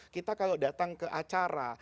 kita kalau datang ke acara